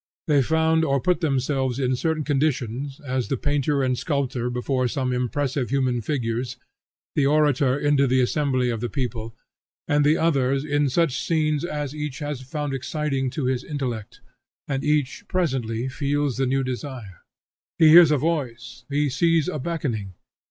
They found or put themselves in certain conditions, as, the painter and sculptor before some impressive human figures; the orator, into the assembly of the people; and the others in such scenes as each has found exciting to his intellect; and each presently feels the new desire. He hears a voice, he sees a beckoning.